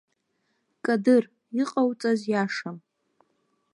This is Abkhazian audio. Кадыр иҟауҵаз иашам!